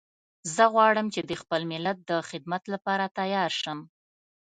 زه غواړم چې د خپل ملت د خدمت لپاره تیار شم